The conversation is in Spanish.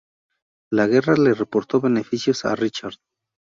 La guerra le reportó beneficios a Richard.